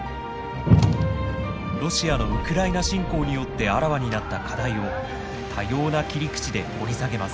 ロシアのウクライナ侵攻によってあらわになった課題を多様な切り口で掘り下げます。